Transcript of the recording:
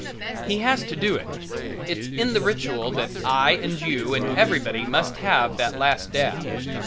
He has to do it; it's in the ritual that I and you and everybody must have that last dab.